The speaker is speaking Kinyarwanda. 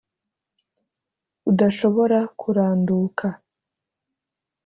Udashobora kuranduka